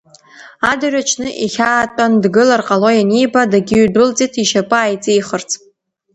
Адырҩаҽны ихьаа тәан, дгылар ҟало ианиба, дагьыҩдәылҵит, ишьапы ааиҵихырц.